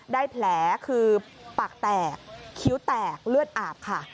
ได้แผลคือปากแตกคิ้วแตกเลือดอาบค่ะ